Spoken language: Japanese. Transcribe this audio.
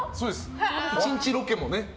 １日ロケもね。